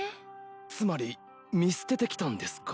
つまり見捨ててきたんですか？